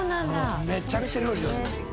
めちゃくちゃ料理上手。